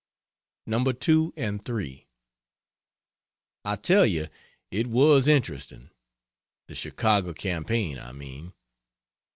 No. 2 and 3. I tell you it was interesting! The Chicago campaign, I mean.